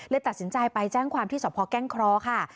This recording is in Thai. เลยตัดสินใจไปแจ้งความที่เฉพาะแก้งคล้อค่ะ